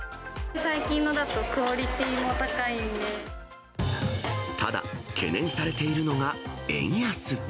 最近のだと、クオリティーもただ、懸念されているのが円安。